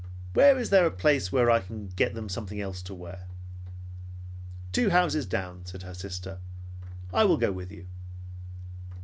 "Where is there a place where I can get them something else to wear?" "Two houses down," said her sister. "I will go with you."